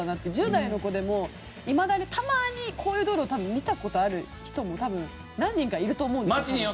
１０代の子でもいまだにたまにこういう道路多分見た事ある人も何人かいると思うんです。